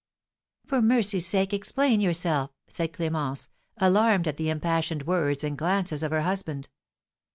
"For mercy's sake, explain yourself!" said Clémence, alarmed at the impassioned words and glances of her husband.